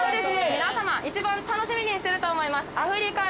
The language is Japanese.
皆さま一番楽しみにしてると思います。